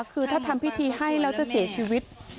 คือถ้าทำพิธีให้แล้วจะเสียชีวิต